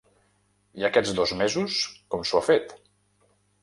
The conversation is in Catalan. I aquests dos mesos com s’ho ha fet?